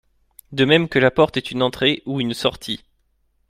De même que la porte est une entrée, ou une sortie.